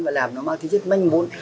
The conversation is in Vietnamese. và làm nó mang tính chất manh mũn